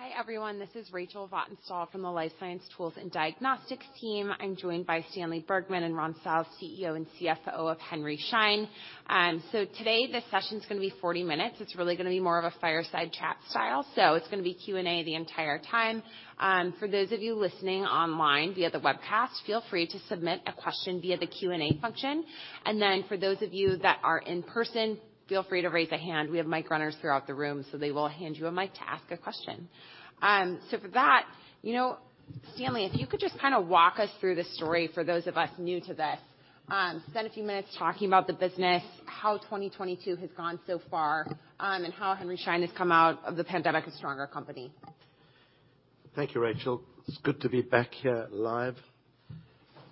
Hi, everyone. This is Rachel Vatnsdal from the Life Science Tools & Diagnostics team. I'm joined by Stanley Bergman and Ronald N. South, CEO and CFO of Henry Schein. Today this session's gonna be 40 minutes. It's really gonna be more of a fireside chat style, so it's gonna be Q&A the entire time. For those of you listening online via the webcast, feel free to submit a question via the Q&A function. For those of you that are in person, feel free to raise a hand. We have mic runners throughout the room, so they will hand you a mic to ask a question. For that Stanley, if you could just kinda walk us through the story for those of us new to this. spend a few minutes talking about the business, how 2022 has gone so far, and how Henry Schein has come out of the pandemic a stronger company. Thank you, Rachel. It's good to be back here live.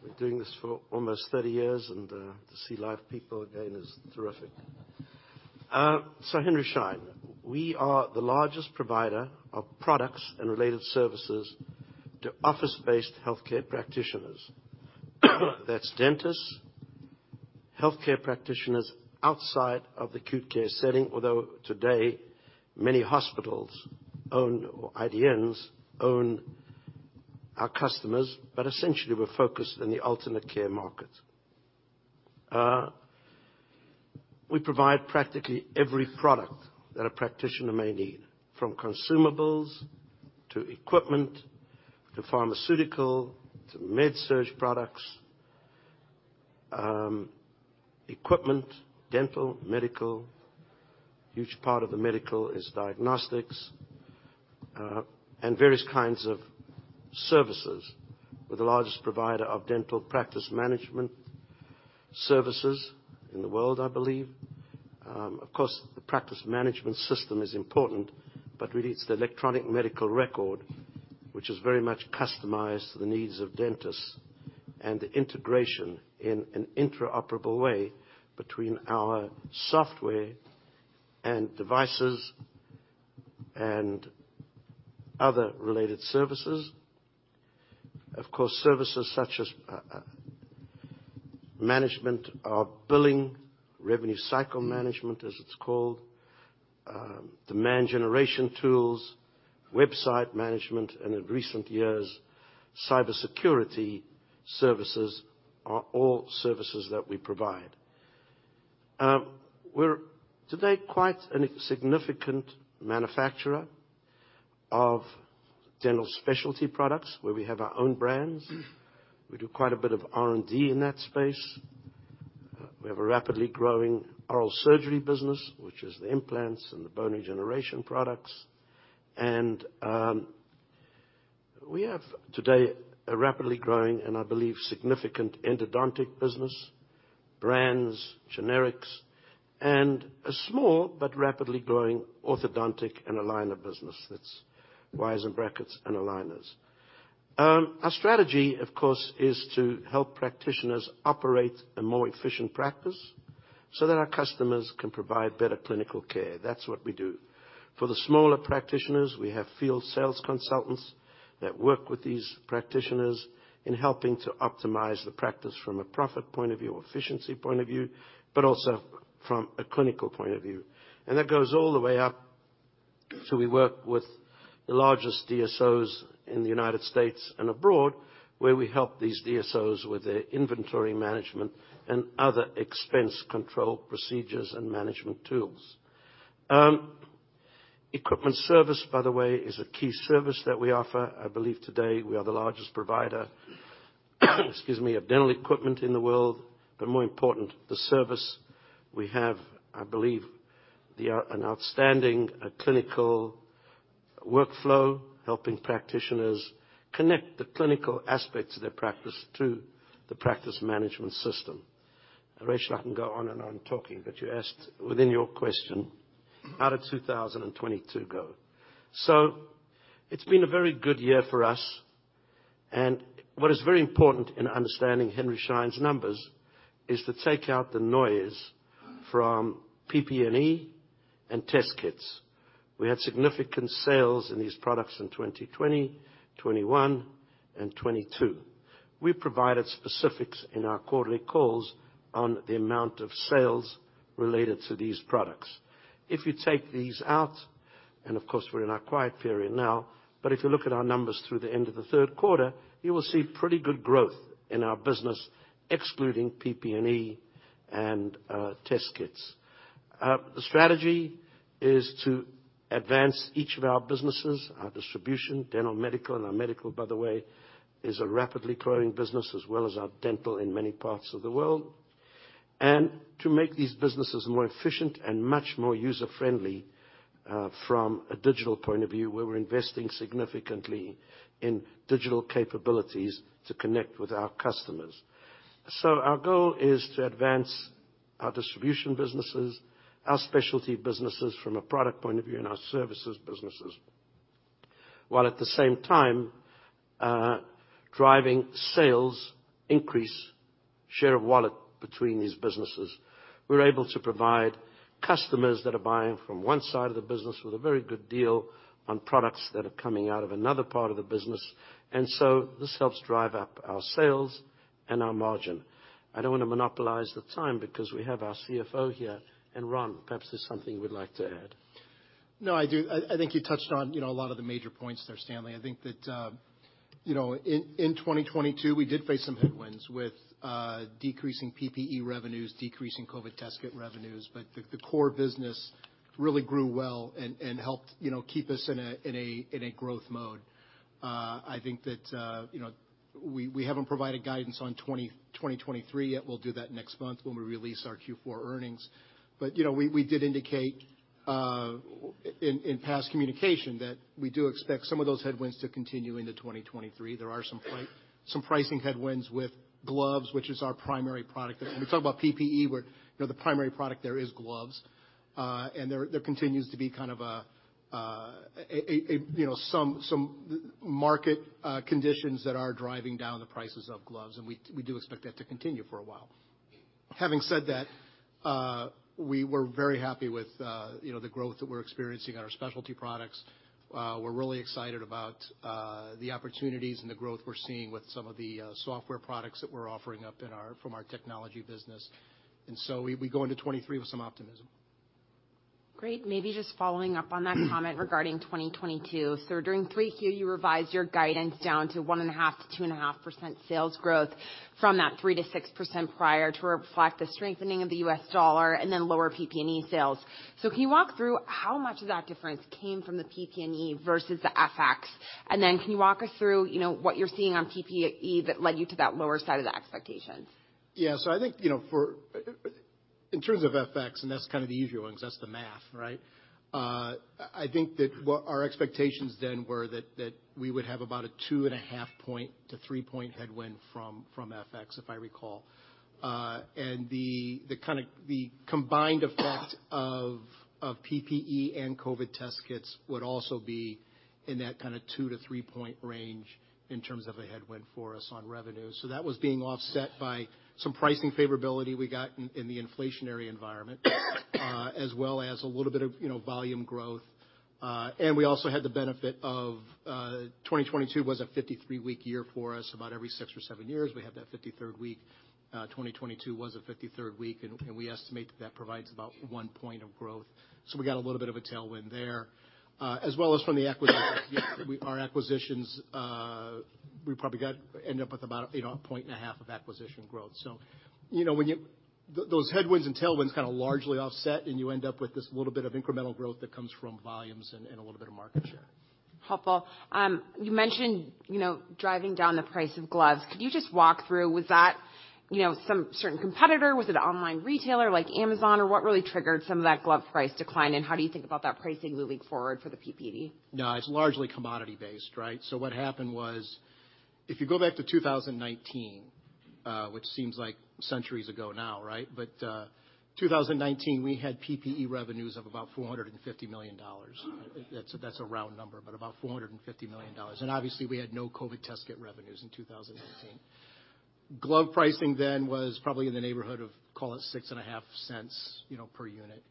Been doing this for almost 30 years, and to see live people again is terrific. Henry Schein, we are the largest provider of products and related services to office-based healthcare practitioners. That's dentists, healthcare practitioners outside of the acute care setting, although today many hospitals own, or IDNs own our customers, essentially we're focused in the alternate care market. We provide practically every product that a practitioner may need, from consumables, to equipment, to pharmaceutical, to med-surg products, equipment, dental, medical. Huge part of the medical is diagnostics, various kinds of services. We're the largest provider of dental practice management services in the world, I believe. Of course, the practice management system is important, but really it's the electronic medical record which is very much customized to the needs of dentists, and the integration in an interoperable way between our software and devices and other related services. Of course, services such as management of billing, revenue cycle management, as it's called, demand generation tools, website management, and in recent years, cybersecurity services are all services that we provide. We're today quite a significant manufacturer of dental specialty products where we have our own brands. We do quite a bit of R&D in that space. We have a rapidly growing oral surgery business, which is the implants and the bone regeneration products. We have today a rapidly growing, and I believe significant endodontic business, brands, generics, and a small but rapidly growing orthodontic and aligner business that's wires and brackets and aligners. Our strategy, of course, is to help practitioners operate a more efficient practice so that our customers can provide better clinical care. That's what we do. For the smaller practitioners, we have field sales consultants that work with these practitioners in helping to optimize the practice from a profit point of view or efficiency point of view, but also from a clinical point of view, and that goes all the way up. We work with the largest DSOs in the United States and abroad, where we help these DSOs with their inventory management and other expense control procedures and management tools. Equipment service, by the way, is a key service that we offer. I believe today we are the largest provider, excuse me, of dental equipment in the world. More important, the service we have, I believe they are an outstanding clinical workflow, helping practitioners connect the clinical aspects of their practice to the practice management system. Rachel, I can go on and on talking, but you asked within your question, how did 2022 go? It's been a very good year for us, and what is very important in understanding Henry Schein's numbers is to take out the noise from PPE and test kits. We had significant sales in these products in 2020, 2021, and 2022. We provided specifics in our quarterly calls on the amount of sales related to these products. If you take these out, and of course we're in our quiet period now, but if you look at our numbers through the end of the third quarter, you will see pretty good growth in our business, excluding PPE and test kits. The strategy is to advance each of our businesses, our distribution, dental, medical, and our medical, by the way, is a rapidly growing business as well as our dental in many parts of the world. To make these businesses more efficient and much more user-friendly from a digital point of view, where we're investing significantly in digital capabilities to connect with our customers. Our goal is to advance our distribution businesses, our specialty businesses from a product point of view, and our services businesses, while at the same time, driving sales increase share of wallet between these businesses. We're able to provide customers that are buying from one side of the business with a very good deal on products that are coming out of another part of the business. This helps drive up our sales and our margin. I don't wanna monopolize the time because we have our CFO here, and Ron perhaps has something you would like to add. No, I do. I think you touched on a lot of the major points there, Stanley. I think that in 2022, we did face some headwinds with decreasing PPE revenues, decreasing COVID test kit revenues. The core business really grew well and helped keep us in a growth mode. I think that we haven't provided guidance on 2023 yet. We'll do that next month when we release our Q4 earnings. We did indicate in past communication that we do expect some of those headwinds to continue into 2023. There are some pricing headwinds with gloves, which is our primary product. When we talk about ppe the primary product there is gloves. There continues to be kind of a some market conditions that are driving down the prices of gloves, and we do expect that to continue for a while. Having said that, we were very happy with the growth that we're experiencing in our specialty products. We're really excited about the opportunities and the growth we're seeing with some of the software products that we're offering from our technology business. We go into 23 with some optimism. Great. Maybe just following up on that comment regarding 2022. During 3Q, you revised your guidance down to 1.5%-2.5% sales growth from that 3%-6% prior to reflect the strengthening of the US dollar and then lower PE sales. Can you walk through how much of that difference came from the PP&E versus the FX? Can you walk us through what you're seeing on PP&E that led you to that lower side of the expectations? I think for... In terms of FX, and that's kind of the easier one 'cause that's the math, right? I think that what our expectations then were that we would have about a 2.5-3 point headwind from FX, if I recall. The combined effect of PPE and COVID test kits would also be in that kinda 2-3 point range in terms of a headwind for us on revenue. That was being offset by some pricing favorability we got in the inflationary environment, as well as a little bit of volume growth. We also had the benefit of 2022 was a 53-week year for us. About every six or seven years, we have that 53rd week. 2022 was a 53rd week, and we estimate that that provides about 1 point of growth. We got a little bit of a tailwind there, as well as from the acquisitions. Our acquisitions, we probably ended up with about 1.5 points of acquisition growth when you those headwinds and tailwinds kinda largely offset and you end up with this little bit of incremental growth that comes from volumes and a little bit of market share. Helpful. You mentioned driving down the price of gloves. Could you just walk through, was that some certain competitor? Was it an online retailer like Amazon, or what really triggered some of that glove price decline, and how do you think about that pricing moving forward for the PPE? It's largely commodity based, right? What happened was, if you go back to 2019, which seems like centuries ago now, right? In 2019, we had PPE revenues of about $450 million. That's a round number, but about $450 million. Obviously we had no COVID test kit revenues in 2019. Glove pricing then was probably in the neighborhood of, call it $0.065 per unit.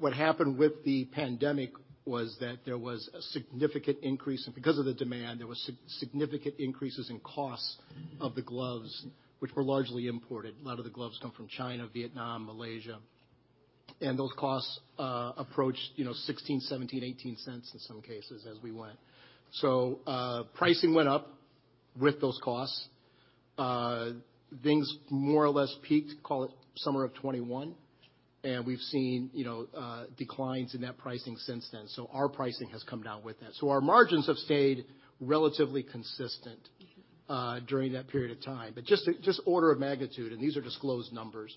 What happened with the pandemic was that there was a significant increase, and because of the demand, there was significant increases in costs of the gloves, which were largely imported. A lot of the gloves come from China, Vietnam, Malaysia. Those costs approached $0.16, $0.17, $0.18 in some cases as we went. Pricing went up with those costs. Things more or less peaked, call it summer of 2021. We've seen declines in net pricing since then. Our pricing has come down with that. Our margins have stayed relatively consistent during that period of time. Just order of magnitude, and these are disclosed numbers.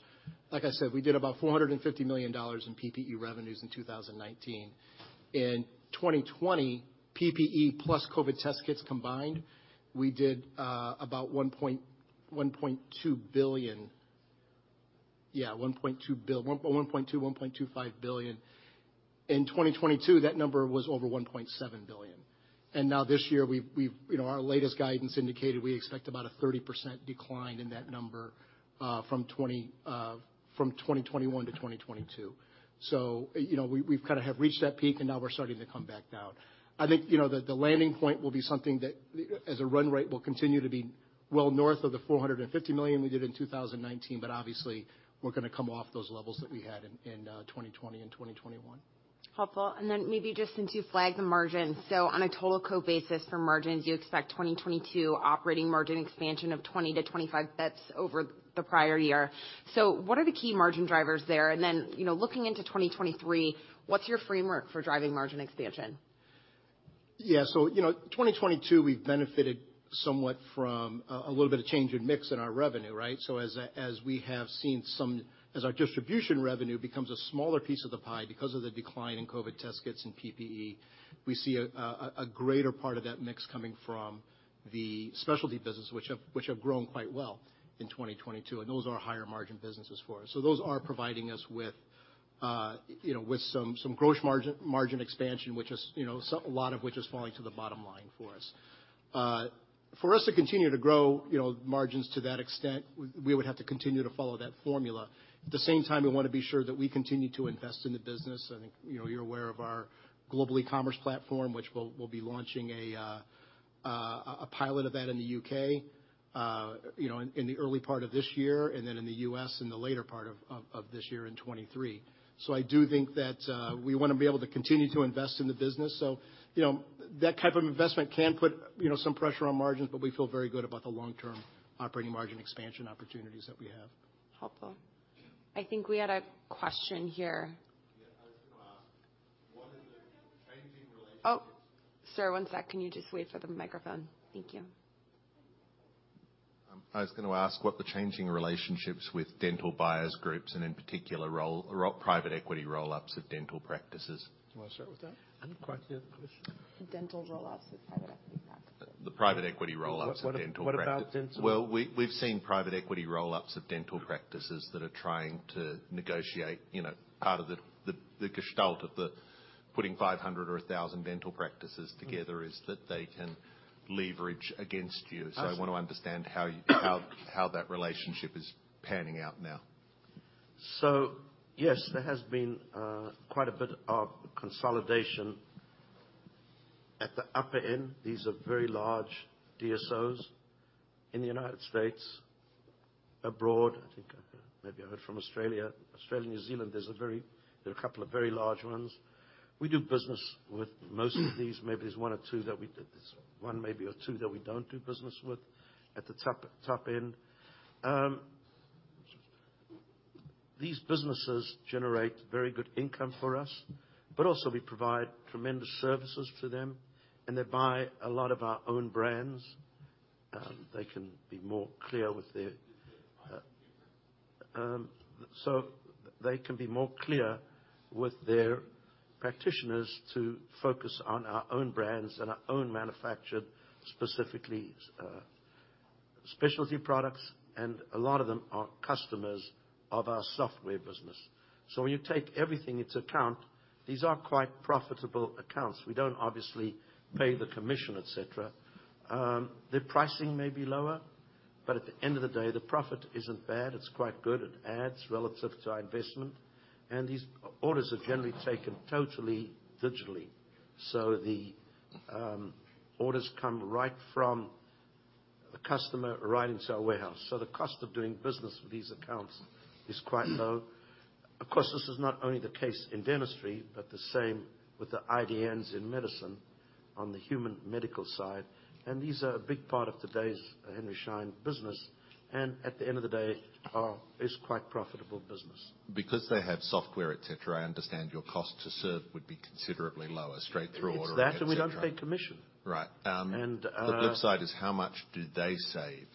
Like I said, we did about $450 million in PPE revenues in 2019. In 2020, PPE plus COVID test kits combined, we did about $1.2 billion. $1.25 billion. In 2022, that number was over $1.7 billion. This year we've our latest guidance indicated we expect about a 30% decline in that number from 2021 to 2022 we've kinda have reached that peak, and now we're starting to come back down. I think the landing point will be something that, as a run rate, will continue to be well north of the $450 million we did in 2019. Obviously, we're gonna come off those levels that we had in 2020 and 2021. Helpful. Maybe just since you flagged the margin. On a total co basis for margins, you expect 2022 operating margin expansion of 20 to 25 bits over the prior year. What are the key margin drivers there?, looking into 2023, what's your framework for driving margin expansion? Yeah 2022, we've benefited somewhat from a little bit of change in mix in our revenue, right? As our distribution revenue becomes a smaller piece of the pie because of the decline in COVID test kits and PPE, we see a greater part of that mix coming from the specialty business which have grown quite well in 2022, and those are higher margin businesses for us. Those are providing us with with some gross margin expansion, which is a lot of which is falling to the bottom line for us. For us to continue to grow margins to that extent, we would have to continue to follow that formula. At the same time, we wanna be sure that we continue to invest in the business. I think you're aware of our global e-commerce platform, which we'll be launching a pilot of that in the UK in the early part of this year, and then in the US, in the later part of this year in 2023. I do think that we wanna be able to continue to invest in the business that type of investment can put some pressure on margins, but we feel very good about the long-term operating margin expansion opportunities that we have. Helpful. I think we had a question here. Yeah. I was gonna ask, what is the changing relationships- Oh, sir, one sec. Can you just wait for the microphone? Thank you. I was gonna ask what the changing relationships with dental buyers groups and in particular role private equity roll-ups of dental practices. You wanna start with that? I didn't quite hear the question. Dental roll-ups of private equity practices. The private equity roll-ups of dental practices. What about dental- Well, we've seen private equity roll-ups of dental practices that are trying to negotiate part of the gestalt of putting 500 or 1,000 dental practices together is that they can leverage against you. Absolutely. I wanna understand how that relationship is panning out now. Yes, there has been quite a bit of consolidation at the upper end. These are very large DSOs in the United States, abroad. I think maybe I heard from Australia. Australia and New Zealand, there are a couple of very large ones. We do business with most of these. Maybe there's one or two. There's one maybe or two that we don't do business with at the top end. These businesses generate very good income for us, but also we provide tremendous services to them, and they buy a lot of our own brands. They can be more clear with their practitioners to focus on our own brands and our own manufactured, specifically, specialty products. A lot of them are customers of our software business. When you take everything into account, these are quite profitable accounts. We don't obviously pay the commission, et cetera. Their pricing may be lower, but at the end of the day, the profit isn't bad. It's quite good. It adds relative to our investment. These orders are generally taken totally digitally. The orders come right from the customer right into our warehouse. The cost of doing business with these accounts is quite low. Of course, this is not only the case in dentistry, but the same with the IDNs in medicine on the human medical side. These are a big part of today's Henry Schein business, and at the end of the day, is quite profitable business. They have software, et cetera, I understand your cost to serve would be considerably lower, straight through ordering, et cetera. It's that, and we don't pay commission. Right. And, uh- The flip side is how much do they save?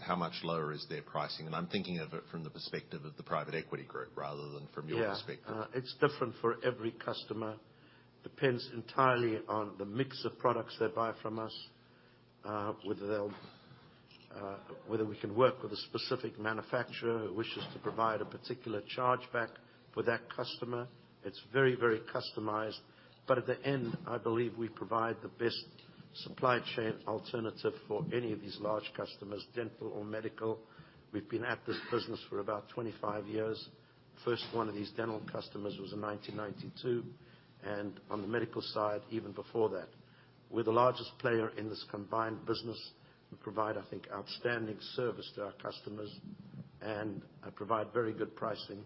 How much lower is their pricing? I'm thinking of it from the perspective of the private equity group rather than from your perspective. Yeah. It's different for every customer. Depends entirely on the mix of products they buy from us, whether we can work with a specific manufacturer who wishes to provide a particular chargeback for that customer. It's very, very customized. At the end, I believe we provide the best supply chain alternative for any of these large customers, dental or medical. We've been at this business for about 25 years. First one of these dental customers was in 1992. On the medical side, even before that. We're the largest player in this combined business. We provide, I think, outstanding service to our customers. I provide very good pricing.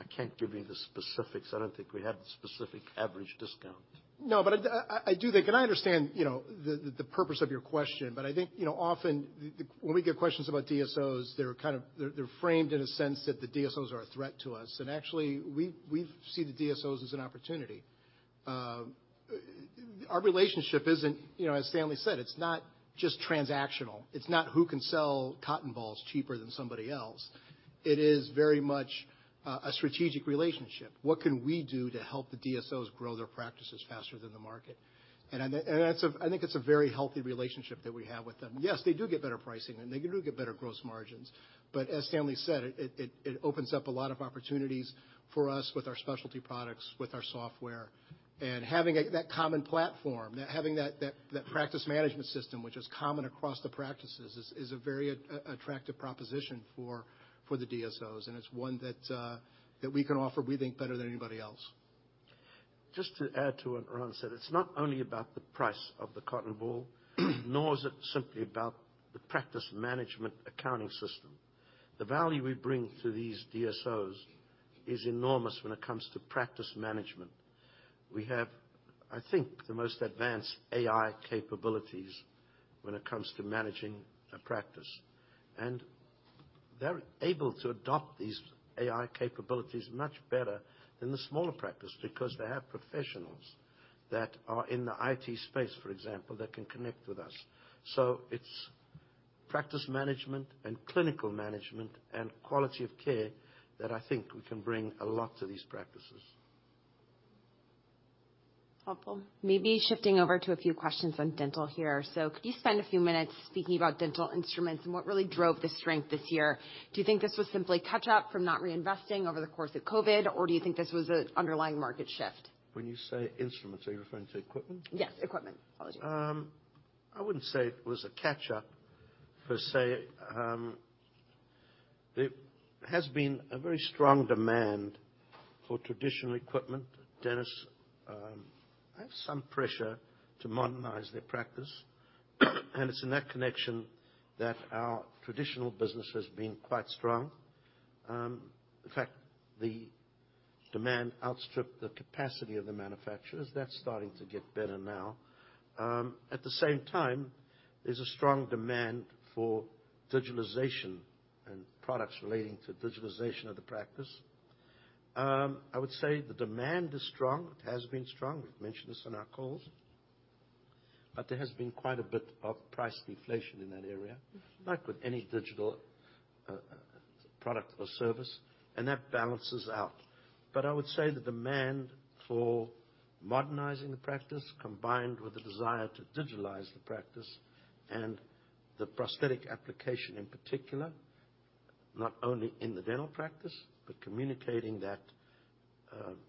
I can't give you the specifics. I don't think we have the specific average discount. No, but I do think, and I understand the purpose of your question, but I think often when we get questions about DSOs, they're kind of... they're framed in a sense that the DSOs are a threat to us. Actually, we see the DSOs as an opportunity. Our relationship isn't as Stanley said, it's not just transactional. It's not who can sell cotton balls cheaper than somebody else. It is very much a strategic relationship. What can we do to help the DSOs grow their practices faster than the market? That's a... I think it's a very healthy relationship that we have with them. Yes, they do get better pricing, and they do get better gross margins. As Stanley said, it opens up a lot of opportunities for us with our specialty products, with our software. Having that common platform, having that practice management system, which is common across the practices, is a very attractive proposition for the DSOs, and it's one that we can offer, we think, better than anybody else. Just to add to what Ron said, it's not only about the price of the cotton ball, nor is it simply about the practice management accounting system. The value we bring to these DSOs is enormous when it comes to practice management. We have, I think, the most advanced AI capabilities when it comes to managing a practice. They're able to adopt these AI capabilities much better than the smaller practice because they have professionals that are in the IT space, for example, that can connect with us. It's practice management and clinical management and quality of care that I think we can bring a lot to these practices. Helpful. Maybe shifting over to a few questions on dental here. Could you spend a few minutes speaking about dental instruments and what really drove the strength this year? Do you think this was simply catch up from not reinvesting over the course of COVID, or do you think this was an underlying market shift? When you say instruments, are you referring to equipment? Yes, equipment. Apologies. I wouldn't say it was a catch-up, per se. There has been a very strong demand for traditional equipment. Dentists have some pressure to modernize their practice. It's in that connection that our traditional business has been quite strong. In fact, the demand outstripped the capacity of the manufacturers. That's starting to get better now. At the same time, there's a strong demand for digitalization and products relating to digitalization of the practice. I would say the demand is strong. It has been strong. We've mentioned this in our calls. There has been quite a bit of price deflation in that area, like with any digital product or service, and that balances out. I would say the demand for modernizing the practice combined with the desire to digitalize the practice and the prosthetic application in particular, not only in the dental practice, but communicating that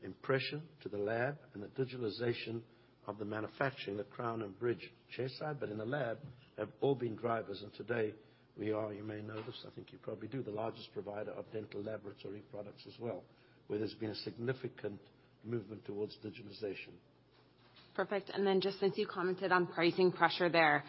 impression to the lab and the digitalization of the manufacturing, the crown and bridge chairside, but in the lab, have all been drivers. Today we are, you may know this, I think you probably do, the largest provider of dental laboratory products as well, where there's been a significant movement towards digitalization. Perfect. Just since you commented on pricing pressure there,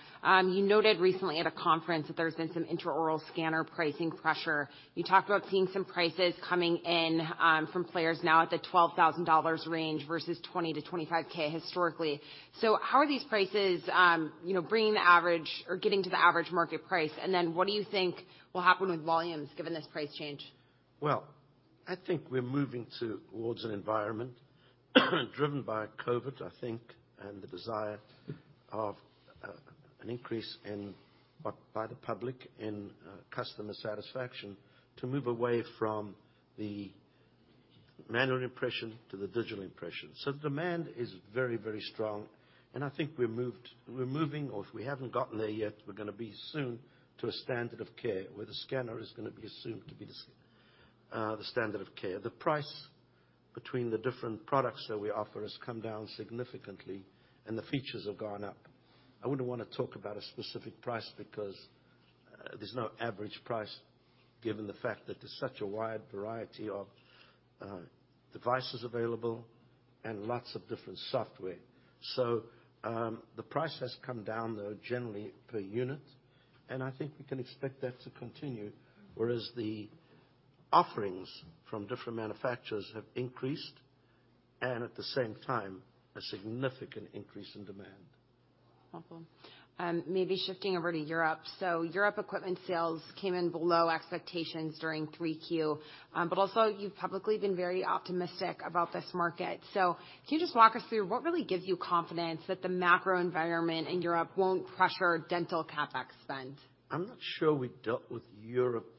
you noted recently at a conference that there's been some intraoral scanner pricing pressure. You talked about seeing some prices coming in, from players now at the $12,000 range versus $20,000-$25,000 historically. How are these prices bringing the average or getting to the average market price? What do you think will happen with volumes given this price change? I think we're moving towards an environment driven by COVID, I think, and the desire of an increase in by the public in customer satisfaction to move away from the manual impression to the digital impression. The demand is very, very strong, and I think we're moving, or if we haven't gotten there yet, we're gonna be soon to a standard of care where the scanner is gonna be assumed to be the standard of care. The price between the different products that we offer has come down significantly, and the features have gone up. I wouldn't wanna talk about a specific price because there's no average price given the fact that there's such a wide variety of devices available and lots of different software. The price has come down, though, generally per unit, and I think we can expect that to continue, whereas the offerings from different manufacturers have increased, and at the same time, a significant increase in demand. Wonderful. Maybe shifting over to Europe. Europe equipment sales came in below expectations during 3Q. But also you've publicly been very optimistic about this market. Can you just walk us through what really gives you confidence that the macro environment in Europe won't crush our dental CapEx spend? I'm not sure we dealt with Europe, Rachel,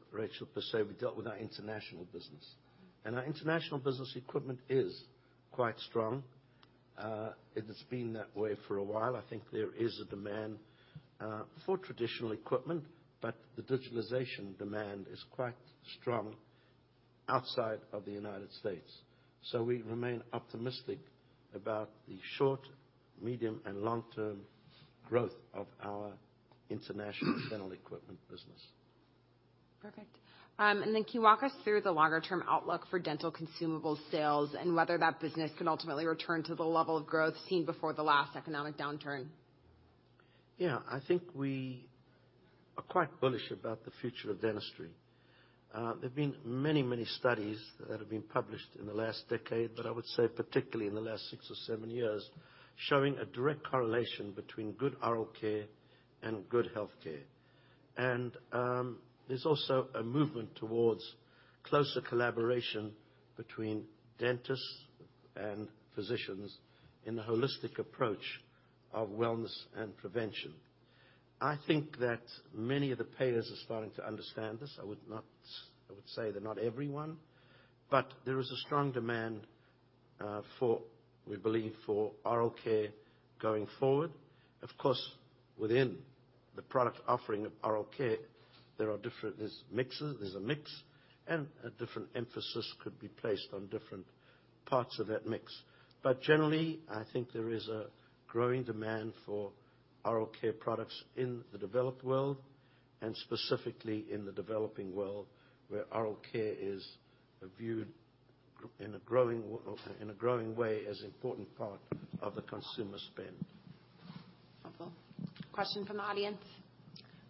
per se. We dealt with our international business. Our international business equipment is quite strong. It has been that way for a while. I think there is a demand for traditional equipment, but the digitalization demand is quite strong outside of the United States. We remain optimistic about the short, medium, and long-term growth of our international dental equipment business. Perfect. Then can you walk us through the longer-term outlook for dental consumable sales and whether that business can ultimately return to the level of growth seen before the last economic downturn? I think we are quite bullish about the future of dentistry. There's been many studies that have been published in the last decade, but I would say particularly in the last six or seven years, showing a direct correlation between good oral care and good healthcare. There's also a movement towards closer collaboration between dentists and physicians in the holistic approach of wellness and prevention. I think that many of the payers are starting to understand this. I would say that not everyone, but there is a strong demand for, we believe, for oral care going forward. Of course, within the product offering of oral care, there's a mix, and a different emphasis could be placed on different parts of that mix. Generally, I think there is a growing demand for oral care products in the developed world and specifically in the developing world, where oral care is viewed in a growing way as important part of the consumer spend. Wonderful. Question from the audience.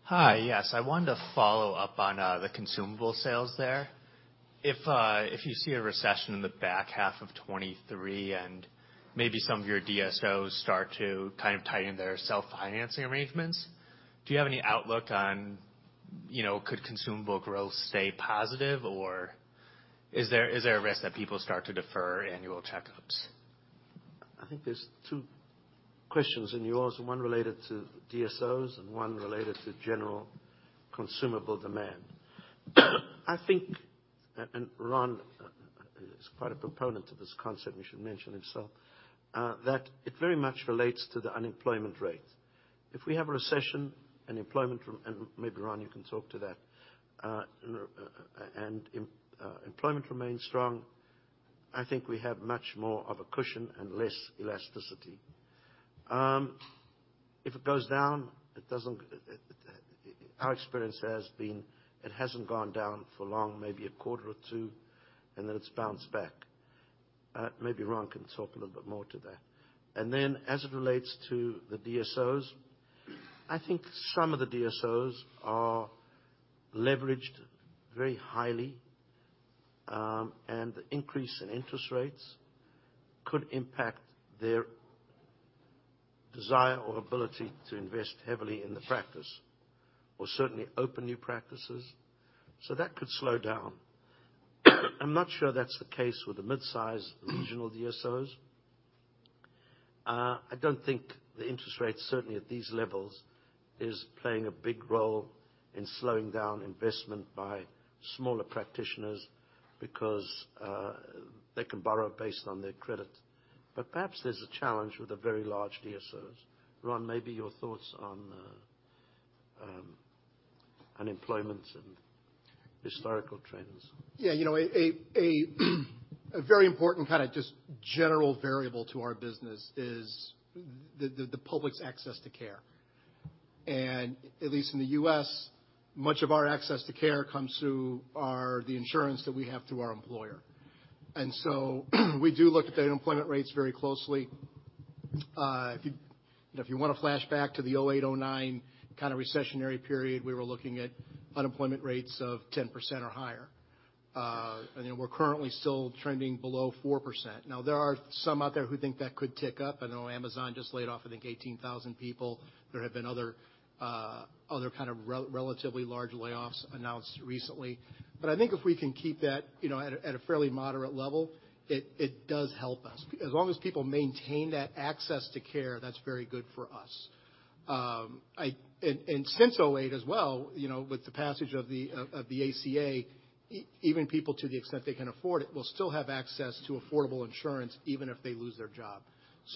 Hi. Yes, I wanted to follow up on, the consumable sales there. If you see a recession in the back half of 23, and maybe some of your DSOs start to kind of tighten their self-financing arrangements, do you have any outlook on could consumable growth stay positive, or is there a risk that people start to defer annual checkups? I think there's two questions in yours, one related to DSOs and one related to general consumable demand. I think, and Ron is quite a proponent of this concept, he should mention it himself, that it very much relates to the unemployment rate. If we have a recession and employment and maybe Ron, you can talk to that. And employment remains strong, I think we have much more of a cushion and less elasticity. If it goes down, it doesn't... Our experience has been it hasn't gone down for long, maybe a quarter or two, and then it's bounced back. Maybe Ron can talk a little bit more to that. As it relates to the DSOs, I think some of the DSOs are leveraged very highly, and the increase in interest rates could impact their desire or ability to invest heavily in the practice or certainly open new practices. That could slow down. I'm not sure that's the case with the mid-size regional DSOs. I don't think the interest rates, certainly at these levels, is playing a big role in slowing down investment by smaller practitioners because they can borrow based on their credit. Perhaps there's a challenge with the very large DSOs. Ron, maybe your thoughts on unemployment and historical trends. yeah a very important kinda just general variable to our business is the public's access to care. At least in the U.S., much of our access to care comes through the insurance that we have through our employer. We do look at the unemployment rates very closely. If you wanna flash back to the 2008, 2009 kinda recessionary period, we were looking at unemployment rates of 10% or higher. We're currently still trending below 4%. Now, there are some out there who think that could tick up. I know Amazon just laid off, I think 18,000 people. There have been other kind of relatively large layoffs announced recently. I think if we can keep that at a fairly moderate level, it does help us. As long as people maintain that access to care, that's very good for us. Since 2008 as well with the passage of the ACA, even people to the extent they can afford it, will still have access to affordable insurance even if they lose their job.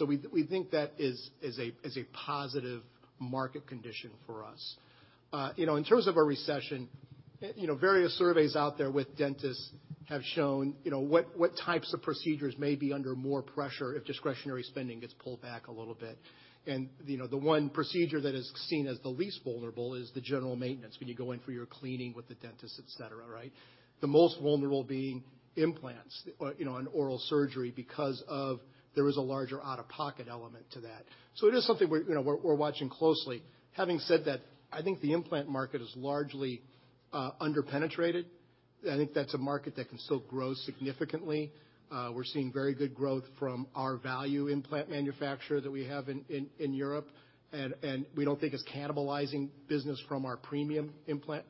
We think that is a positive market condition for us in terms of a recession various surveys out there with dentists have shown what types of procedures may be under more pressure if discretionary spending gets pulled back a little bit., the one procedure that is seen as the least vulnerable is the general maintenance, when you go in for your cleaning with the dentist, et cetera, right? The most vulnerable being implants or and oral surgery because of there is a larger out-of-pocket element to that. It is something we're watching closely. Having said that, I think the implant market is largely under-penetrated. I think that's a market that can still grow significantly. We're seeing very good growth from our value implant manufacturer that we have in Europe. We don't think it's cannibalizing business from our premium implant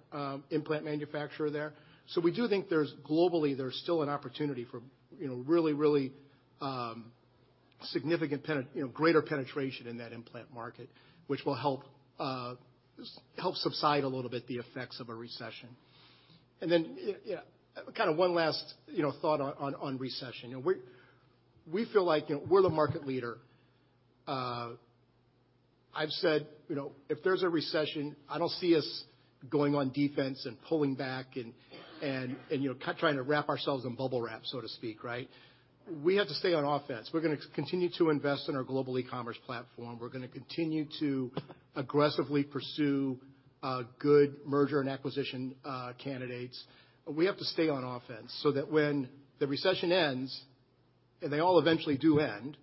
manufacturer there. We do think there's... globally, there's still an opportunity for really, really, significant greater penetration in that implant market, which will help subside a little bit the effects of a recession. Yeah, kind of one last thought on recession we're, we feel like we're the market leader. I've said if there's a recession, I don't see us going on defense and pulling back and trying to wrap ourselves in bubble wrap, so to speak, right? We have to stay on offense. We're gonna continue to invest in our global e-commerce platform. We're gonna continue to aggressively pursue good merger and acquisition candidates. We have to stay on offense so that when the recession ends, and they all eventually do end,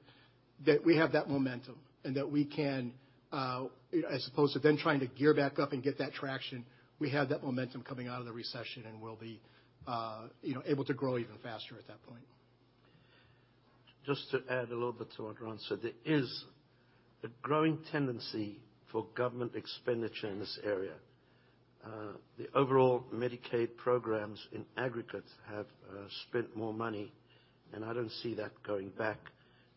that we have that momentum and that we can, as opposed to then trying to gear back up and get that traction, we have that momentum coming out of the recession, and we'll be able to grow even faster at that point. Just to add a little bit to what Ron said, there is a growing tendency for government expenditure in this area. The overall Medicaid programs in aggregate have spent more money, I don't see that going back.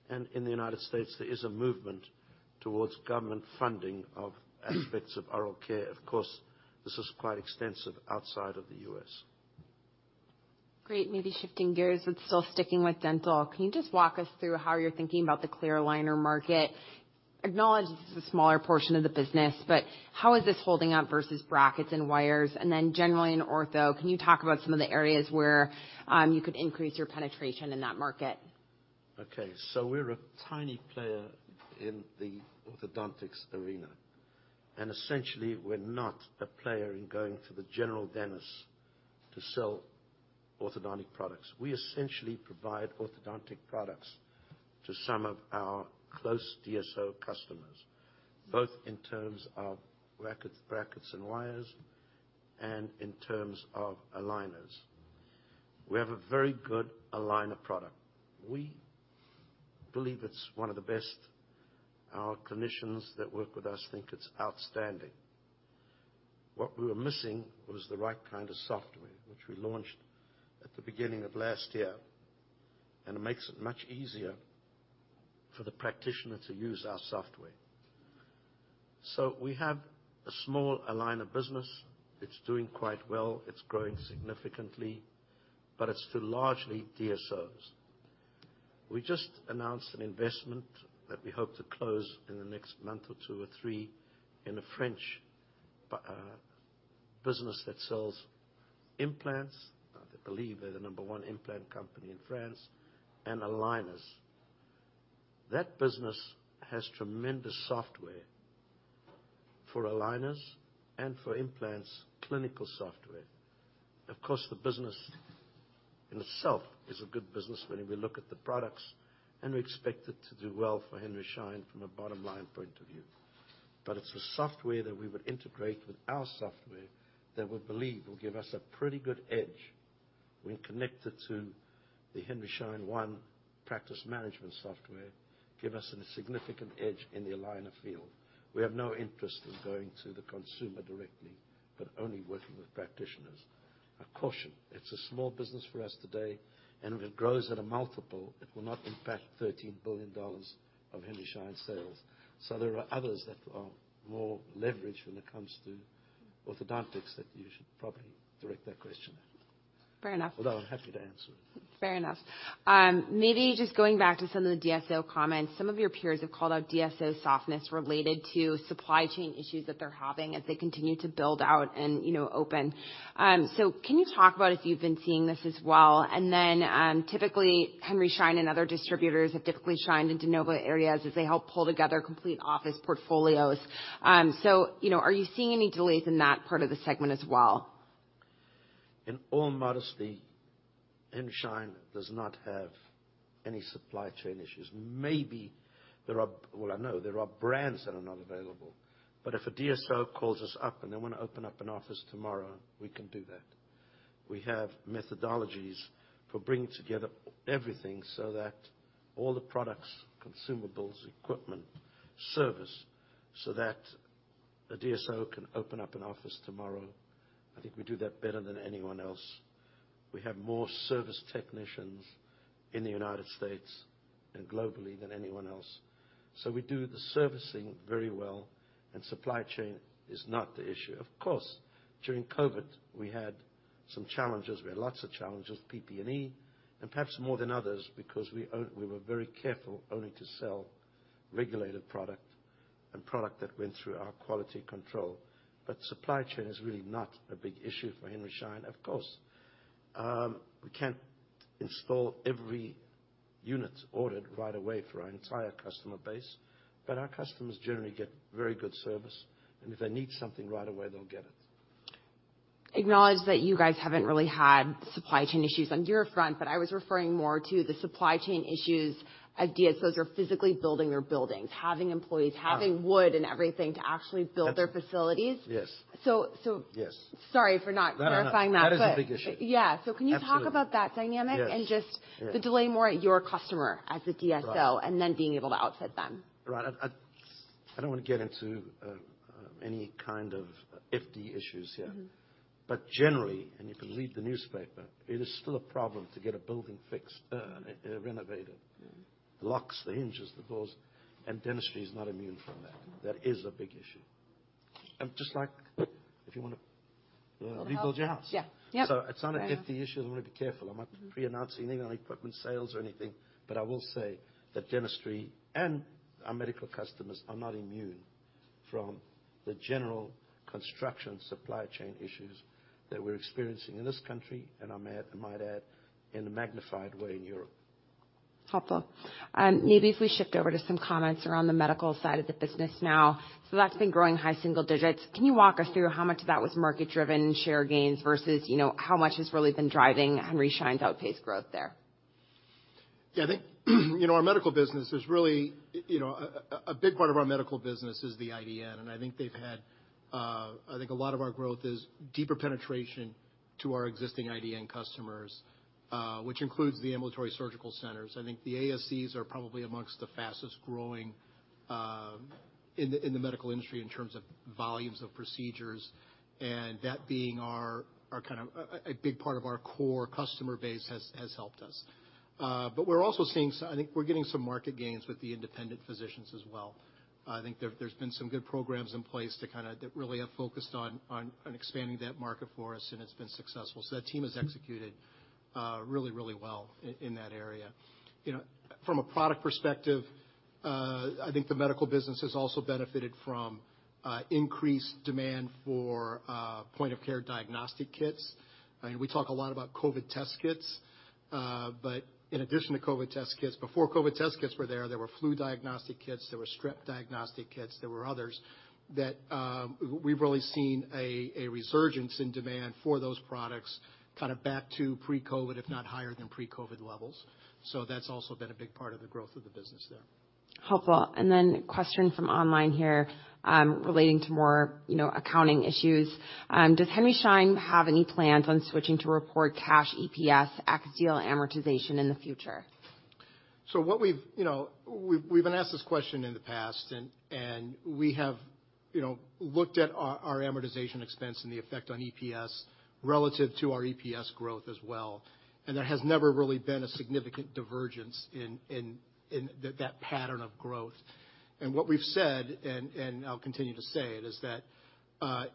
In the United States, there is a movement towards government funding of aspects of oral care. Of course, this is quite extensive outside of the U.S. Great. Maybe shifting gears but still sticking with dental, can you just walk us through how you're thinking about the clear aligner market? Acknowledge this is a smaller portion of the business, but how is this holding up versus brackets and wires? Generally in ortho, can you talk about some of the areas where you could increase your penetration in that market? Okay. We're a tiny player in the orthodontics arena. Essentially, we're not a player in going to the general dentist to sell orthodontic products. We essentially provide orthodontic products to some of our close DSO customers, both in terms of brackets and wires and in terms of aligners. We have a very good aligner product. We believe it's one of the best. Our clinicians that work with us think it's outstanding. What we were missing was the right kind of software, which we launched at the beginning of last year, it makes it much easier for the practitioner to use our software. We have a small aligner business. It's doing quite well. It's growing significantly, but it's still largely DSOs. We just announced an investment that we hope to close in the next month or two or three in a French business that sells implants. I believe they're the number one implant company in France, and aligners. That business has tremendous software for aligners and for implants, clinical software. The business in itself is a good business when we look at the products, and we expect it to do well for Henry Schein from a bottom-line point of view. It's the software that we would integrate with our software that we believe will give us a pretty good edge when connected to the Henry Schein One practice management software, give us a significant edge in the aligner field. We have no interest in going to the consumer directly, but only working with practitioners. A caution, it's a small business for us today, and if it grows at a multiple, it will not impact $13 billion of Henry Schein sales. There are others that are more leveraged when it comes to orthodontics that you should probably direct that question at. Fair enough. I'm happy to answer it. Fair enough. Maybe just going back to some of the DSO comments, some of your peers have called out DSO softness related to supply chain issues that they're having as they continue to build out and open. Can you talk about if you've been seeing this as well? Then, typically Henry Schein and other distributors have typically shined in de novo areas as they help pull together complete office portfolios are you seeing any delays in that part of the segment as well? In all modesty, Henry Schein does not have any supply chain issues. Well, I know there are brands that are not available, if a DSO calls us up and they wanna open up an office tomorrow, we can do that. We have methodologies for bringing together everything so that all the products, consumables, equipment, service, so that a DSO can open up an office tomorrow. I think we do that better than anyone else. We have more service technicians in the United States and globally than anyone else. We do the servicing very well, supply chain is not the issue. Of course, during COVID, we had some challenges. We had lots of challenges, PP&E, perhaps more than others because we were very careful only to sell regulated product and product that went through our quality control. Supply chain is really not a big issue for Henry Schein. Of course, we can't install every unit ordered right away for our entire customer base, but our customers generally get very good service, and if they need something right away, they'll get it. Acknowledge that you guys haven't really had supply chain issues on your front, but I was referring more to the supply chain issues as DSOs are physically building their buildings, having employees, having wood and everything to actually build their facilities. Yes. So, so- Yes. Sorry for not clarifying that. No, no, that is a big issue. Yeah. can you talk about that dynamic- Yes. just the delay more at your customer as the DSO, and then being able to offset them? Right. I don't wanna get into any kind of FD issues here. Mm-hmm. Generally, and you can read the newspaper, it is still a problem to get a building fixed, renovated. Mm-hmm. The locks, the hinges, the doors, and dentistry is not immune from that. That is a big issue. Just like if you wanna rebuild your house. Yeah. Yeah. It's not an FD issue. I wanna be careful. I'm not pre-announcing anything on equipment sales or anything, I will say that dentistry and our medical customers are not immune from the general construction supply chain issues that we're experiencing in this country, and I might, I might add, in a magnified way in Europe. Helpful. Maybe if we shift over to some comments around the medical side of the business now. That's been growing high single digits. Can you walk us through how much of that was market driven share gains versus how much has really been driving Henry Schein's outpaced growth there? Yeah, I think our medical business is really,. A big part of our medical business is the IDN. I think a lot of our growth is deeper penetration to our existing IDN customers, which includes the ambulatory surgical centers. I think the ASCs are probably amongst the fastest growing in the medical industry in terms of volumes of procedures, and that being our kind of. A big part of our core customer base has helped us. We're also seeing some market gains with the independent physicians as well. I think there's been some good programs in place to kinda. That really have focused on expanding that market for us. It's been successful. That team has executed really, really well in that area from a product perspective, I think the medical business has also benefited from increased demand for point of care diagnostic kits. I mean, we talk a lot about COVID test kits, in addition to COVID test kits, before COVID test kits were there were flu diagnostic kits, there were strep diagnostic kits, there were others that we've really seen a resurgence in demand for those products, kinda back to pre-COVID, if not higher than pre-COVID levels. That's also been a big part of the growth of the business there. Helpful. A question from online here, relating to more accounting issues. Does Henry Schein have any plans on switching to report cash EPS ex deal amortization in the future? What we've we've been asked this question in the past, and we have looked at our amortization expense and the effect on EPS relative to our EPS growth as well. There has never really been a significant divergence in that pattern of growth. What we've said, and I'll continue to say it, is that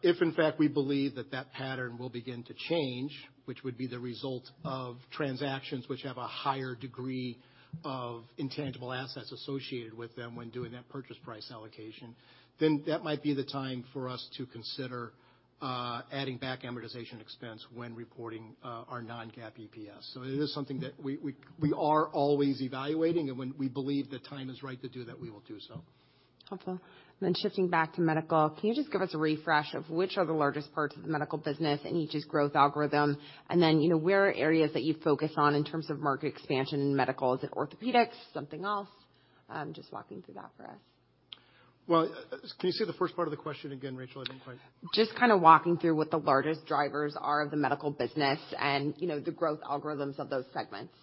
if in fact we believe that that pattern will begin to change, which would be the result of transactions which have a higher degree of intangible assets associated with them when doing that purchase price allocation, then that might be the time for us to consider adding back amortization expense when reporting our non-GAAP EPS. It is something that we are always evaluating, and when we believe the time is right to do that, we will do so. Helpful. Shifting back to medical, can you just give us a refresh of which are the largest parts of the medical business and each's growth algorithm?, where are areas that you focus on in terms of market expansion in medical? Is it orthopedics, something else? Just walking through that for us. Well, can you say the first part of the question again, Rachel? Just kinda walking through what the largest drivers are of the medical business and the growth algorithms of those segments.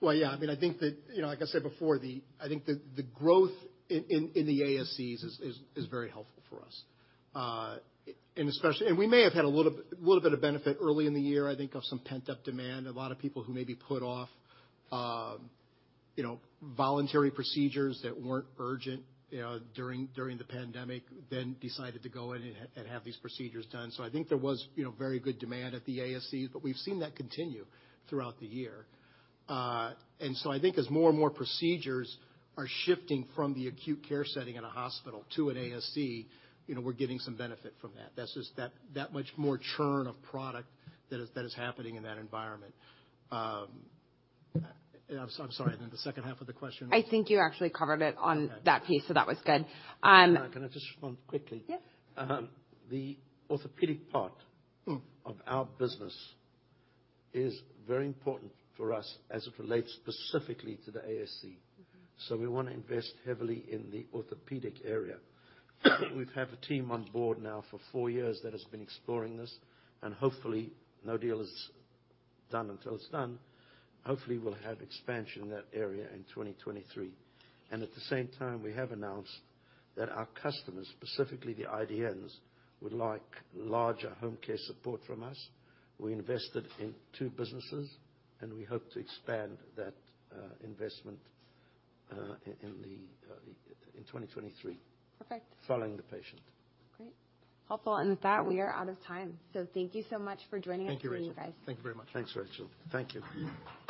Well, yeah. I mean, I think that like I said before, I think the growth in the ASCs is very helpful for us. especially we may have had a little bit of benefit early in the year, I think, of some pent-up demand. A lot of people who may be put off voluntary procedures that weren't urgent during the pandemic, then decided to go in and have these procedures done. I think there was very good demand at the ASCs, but we've seen that continue throughout the year. I think as more and more procedures are shifting from the acute care setting in a hospital to an asc we're getting some benefit from that. That's just that much more churn of product that is happening in that environment. I'm sorry. Then the H2 of the question was? I think you actually covered it on that piece, so that was good. Can I just respond quickly? Yeah. The orthopedic part. Mm. of our business is very important for us as it relates specifically to the ASC. Mm-hmm. We wanna invest heavily in the orthopedic area. We've had a team on board now for four years that has been exploring this, hopefully no deal is done until it's done. Hopefully, we'll have expansion in that area in 2023. At the same time, we have announced that our customers, specifically the IDNs, would like larger home care support from us. We invested in two businesses, and we hope to expand that investment in 2023. Perfect. Following the patient. Great. Helpful. With that, we are out of time. Thank you so much for joining us. Thank you, Rachel. Thank you, guys. Thank you very much. Thanks, Rachel. Thank you.